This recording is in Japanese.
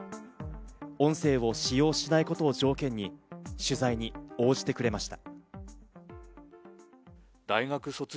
音声を使用しないことを条件に取材に応じてくれました。